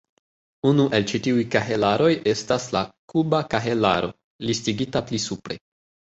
Unu el ĉi tiuj kahelaroj estas la "kuba kahelaro", listigita pli supre.